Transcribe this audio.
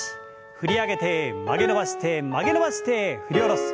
振り上げて曲げ伸ばして曲げ伸ばして振り下ろす。